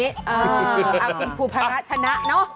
ก็คือครูพ้าระชนะนะ